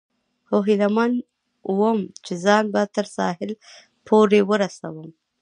خو هیله من ووم، چې ځان به تر ساحل پورې ورسوم.